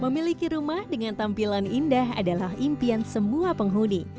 memiliki rumah dengan tampilan indah adalah impian semua penghuni